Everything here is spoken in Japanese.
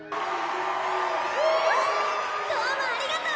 どうもありがとう！